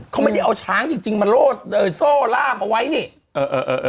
เขาไม่ได้เอาช้างจริงจริงมาโลดเอ่ยโซ่ล่ามเอาไว้นี่เออเออเออ